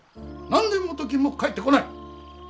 何で元金も返ってこない。